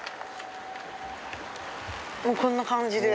こんな感じで。